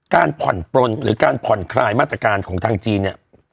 การผ่อนปลนหรือการผ่อนคลายมาตรการของทางจีนเนี่ย